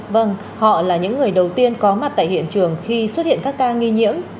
vâng họ là những người đầu tiên có mặt tại hiện trường khi xuất hiện các ca nghi nhiễm